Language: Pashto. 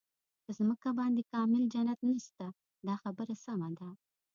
په ځمکه باندې کامل جنت نشته دا خبره سمه ده.